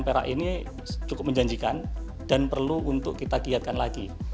perak ini cukup menjanjikan dan perlu untuk kita giatkan lagi